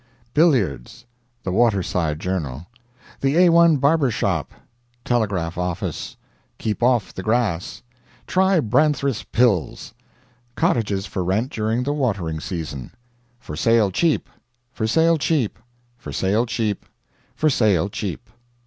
BILLIARDS. THE WATERSIDE JOURNAL. THE A1 BARBER SHOP. TELEGRAPH OFFICE. KEEP OFF THE GRASS. TRY BRANDRETH'S PILLS. COTTAGES FOR RENT DURING THE WATERING SEASON. FOR SALE CHEAP. FOR SALE CHEAP. FOR SALE CHEAP. FOR SALE CHEAP.